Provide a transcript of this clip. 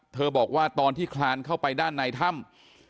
บอกว่าตอนที่คลานเข้าไปด้านในถ้ำ